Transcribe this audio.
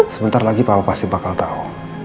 sebentar lagi bapak pasti bakal tahu